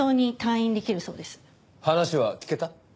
話は聞けた？